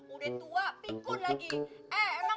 udah tua pikun lagi